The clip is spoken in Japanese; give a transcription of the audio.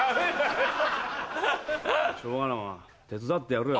しょうがない手伝ってやるよ。